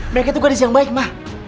mereka tuh gadis yang baik ma